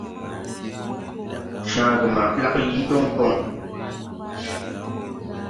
Cããge ma ɓlagge yii jɔŋ bɔŋ.